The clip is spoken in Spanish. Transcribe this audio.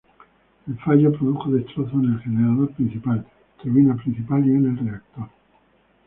El fallo produjo destrozos en el generador principal, turbina principal y en el reactor.